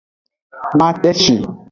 Maceshi.